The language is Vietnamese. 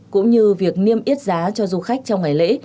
cũng như việc niêm yết giá cho du khách trong ngày lễ